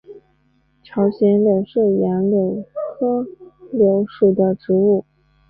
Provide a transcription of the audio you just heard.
朝鲜柳是杨柳科柳属的植物。